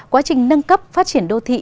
quá trình nâng cấp phát triển đô thị